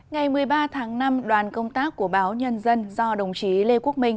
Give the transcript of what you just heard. ngày một mươi ba tháng năm đoàn công tác của báo nhân dân do đồng chí lê quốc minh